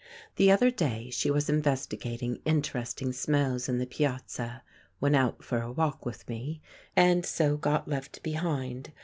The other day she was investigating interesting smells in the piazza, when out for a walk with me, and so got left behind.